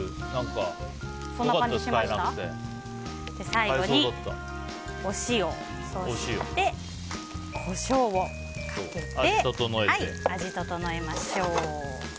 最後にお塩そして、コショウをかけて味を調えましょう。